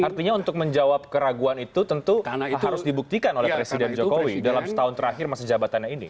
artinya untuk menjawab keraguan itu tentu harus dibuktikan oleh presiden jokowi dalam setahun terakhir masa jabatannya ini